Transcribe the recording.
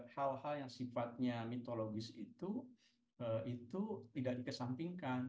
hal hal yang sifatnya mitologis itu tidak dikesampingkan